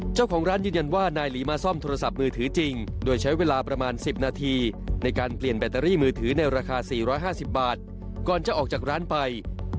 เจ้าของร้านยืนยันว่านายหลีมาซ่อมโทรศัพท์มือถือจริงโดยใช้เวลาประมาณ๑๐นาทีในการเปลี่ยนแบตเตอรี่มือถือในราคา๔๕๐บาทก่อนจะออกจากร้านไป